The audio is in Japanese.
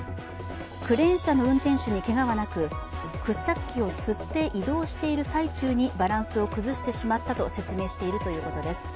クレーン車の運転手にけがはなく掘削機をつって移動している最中にバランスを崩してしまったと説明しているということです。